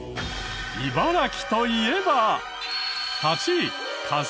茨城と言えば。